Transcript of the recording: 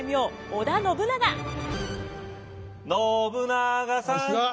信長さん。